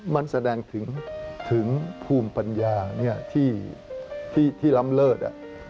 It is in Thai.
มันแสดงถึงภูมิปัญญาที่ล้ำเลิศ